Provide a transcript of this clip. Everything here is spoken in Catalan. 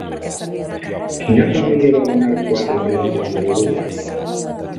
Quina família va donar quatre presidents a l'Uruguai?